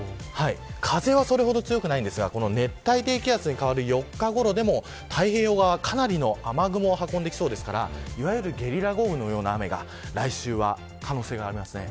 風はそれほど強くないんですが熱帯低気圧に変わる４日ごろでも太平洋側かなりの雨雲を運んできそうですからゲリラ豪雨のような雨が来週は可能性があります。